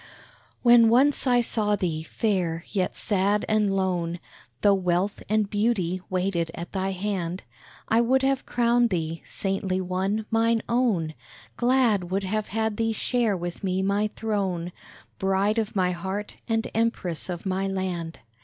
When once I saw thee, fair, yet sad and lone, Tho wealth and beauty waited at thy hand I would have crowned thee, saintly one, mine own; Glad would have had thee share with me my throne, Bride of my heart, and Empress of my land!